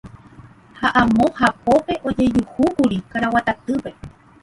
Ha amo hapópe ojejuhúkuri karaguatatýpe.